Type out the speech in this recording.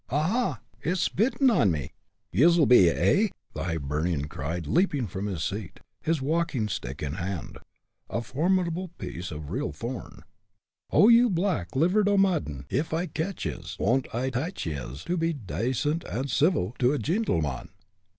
"Aha! it's spittin' on me yez'll be, eh?" the Hibernian cried, leaping from his seat, his walking stick in hand a formidable piece of real thorn. "Oh! you black livered omadhaun, if I catch yez, won't I tache yez to be dacent and civil to a gintlemon!"